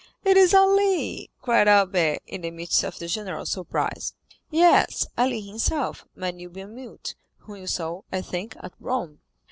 "It is Ali!" cried Albert, in the midst of the general surprise. "Yes, Ali himself, my Nubian mute, whom you saw, I think, at Rome."